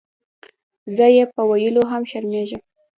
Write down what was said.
زۀ یې پۀ ویلو هم شرمېږم.